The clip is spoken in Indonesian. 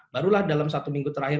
barulah dalam satu minggu terakhir